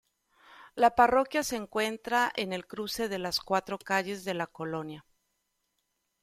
La parroquia se encuentra en el cruce de las cuatro calles de la colonia.